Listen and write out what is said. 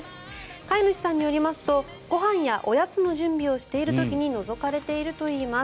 飼い主さんによりますとご飯やおやつの準備をしている時にのぞかれているといいます。